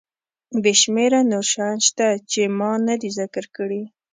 بې شمېره نور شیان شته چې ما ندي ذکر کړي.